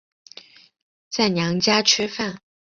在娘家吃饭